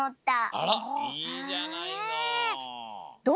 あらいいじゃないの。